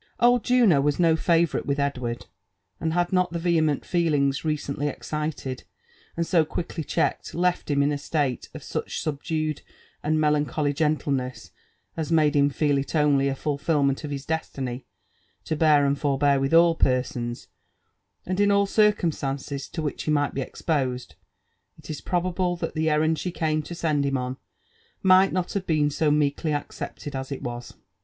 Old Juno was no favourite with Edward ; and had not the vehe ment feelings recently excited, and so quickly checked, left him in a state of such subdued and melancholy gentleness as made him feel it only a fulfilment of his destiny to bear and forbear with all persons, and in all circumstances to which he might be exposed, it is probable that the errand she came to send him on, might not have been so meekly accepted as it was.